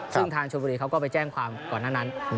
ซึ่งทางชุบรีย์เค้าก็ไปแจ่งความก่อนหน้านั้น